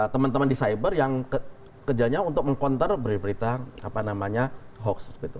teman teman di cyber yang kerjanya untuk mengkonter berita berita apa namanya hoax seperti itu